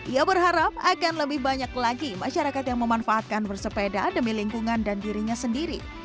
ia berharap akan lebih banyak lagi masyarakat yang memanfaatkan bersepeda demi lingkungan dan dirinya sendiri